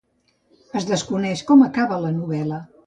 Es desconeix com acaba la novel·la.